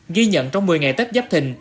ghi nhận trong một mươi ngày tết dắp thình